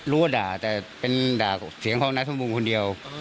รู้ว่าด่าแต่เป็นด่าเสียงเขานักสมบูรณ์คนเดียว